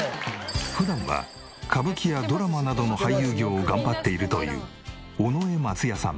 普段は歌舞伎やドラマなどの俳優業を頑張っているという尾上松也さん。